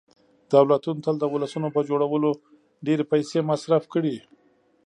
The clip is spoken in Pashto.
دولتونو تل د وسلو په جوړولو ډېرې پیسې مصرف کړي